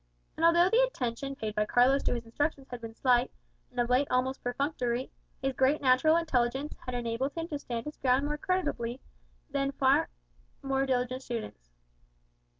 And although the attention paid by Carlos to his instructions had been slight, and of late almost perfunctory, his great natural intelligence had enabled him to stand his ground more creditably than many far more diligent students.